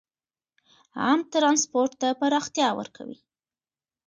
عام ټرانسپورټ ته پراختیا ورکوي.